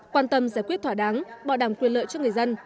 quan tâm giải quyết thỏa đáng bảo đảm quyền lợi cho người dân